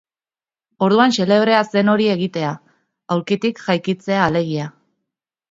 Orduan xelebrea zen hori egitea, aulkitik jaikitzea alegia.